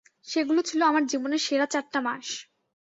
সেগুলো ছিল আমার জীবনের সেরা চারটা মাস।